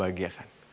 aku sangat bahagia kan